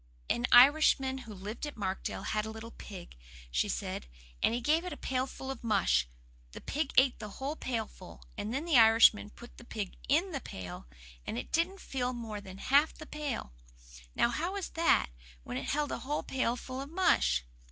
"An Irishman who lived at Markdale had a little pig," she said, "and he gave it a pailful of mush. The pig ate the whole pailful, and then the Irishman put the pig IN the pail, and it didn't fill more than half the pail. Now, how was that, when it held a whole pailful of mush?"